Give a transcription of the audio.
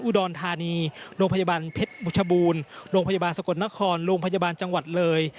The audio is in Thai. อุดรธานีโรงพยาบาลเพชรบุชบูรณ์โรงพยาบาลสกลนครโรงพยาบาลจังหวัดเลย